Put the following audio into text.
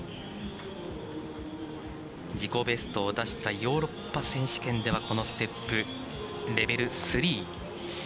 自己ベストを出したヨーロッパ選手権ではこのステップ、レベル３。